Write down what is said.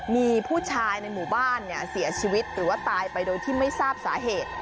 มีผู้ชายในหมู่บ้านเนี่ยเสียชีวิตหรือว่าตายไปโดยที่ไม่ทราบสาเหตุ